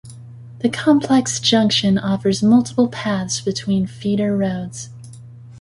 The complex junction offers multiple paths between feeder roads.